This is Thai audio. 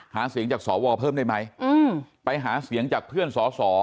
หาเสียงจากสวเพิ่มได้ไหมไปหาเสียงจากเพื่อนสอสอ